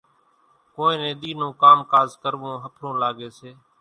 ڪونئين نين ۮِي نون ڪام ڪاز ڪروون ۿڦرون لاڳيَ سي۔